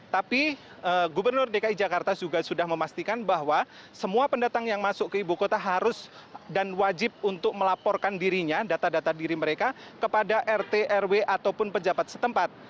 tapi gubernur dki jakarta juga sudah memastikan bahwa semua pendatang yang masuk ke ibu kota harus dan wajib untuk melaporkan dirinya data data diri mereka kepada rt rw ataupun pejabat setempat